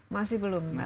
masih belum tahu ya